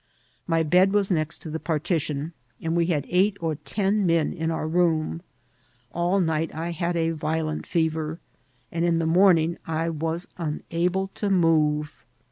My bed was next to the partition, and we had eight or teq men in our room. All night I had a violent fever, and in the morning I was unable to move.